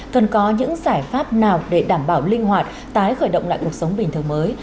cần có những giải pháp nào để đảm bảo linh hoạt tái khởi động lại cuộc sống bình thường mới